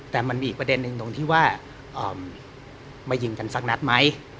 แต่มันมีอีกประเด็นหนึ่งตรงที่ว่ามายิงกันสักนัดไหม